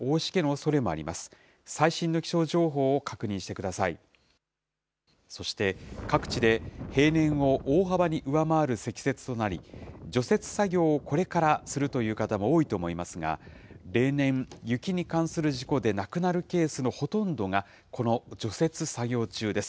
そして各地で平年を大幅に上回る積雪となり、除雪作業をこれからするという方も多いと思いますが、例年、雪に関する事故で亡くなるケースのほとんどが、この除雪作業中です。